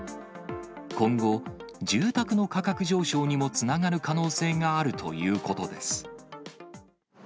今後、住宅の価格上昇にもつながる可能性があるということです。